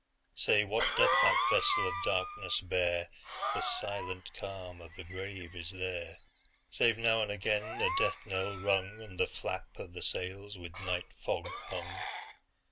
Say, what doth that vessel of darkness bear? The silent calm of the grave is there, Save now and again a death knell rung, And the flap of the sails with night fog hung.